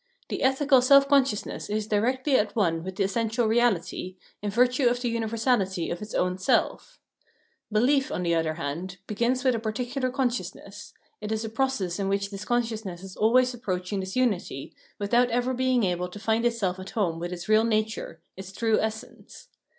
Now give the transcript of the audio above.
The ethical self consciousness is directly at one with the essential reality, in virtue of the universality of its own self. Belief, on the other hand, begins with a particular consciousness ; it is a process in which this consciousness is always approaching this imity, without ever being able to find itself at home with its real Reason as Testing Laws 425 nature, its true essence.